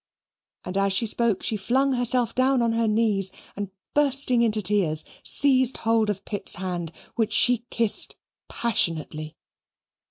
And as she spoke she flung herself down on her knees, and bursting into tears, seized hold of Pitt's hand, which she kissed passionately.